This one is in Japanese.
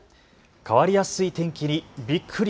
変わりやすい天気にびっくり！